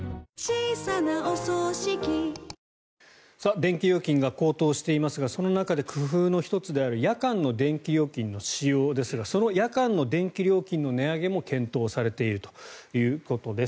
電気料金が高騰していますがその中で工夫の１つである夜間の電気料金の使用ですがその夜間の電気料金の値上げも検討されているということです。